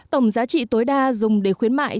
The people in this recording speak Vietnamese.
tổng giá trị tối đa dùng để khuyến mại